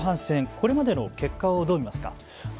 これまでの結果をどう見ますか。